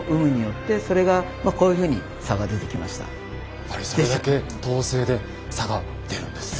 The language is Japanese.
やっぱりそれだけ統制で差が出るんですね。